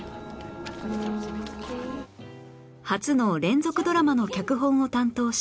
初の連続ドラマの脚本を担当した若杉さん